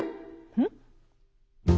うん？